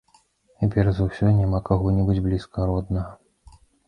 І перш за ўсё няма каго-небудзь блізкага, роднага.